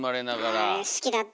あれ好きだった。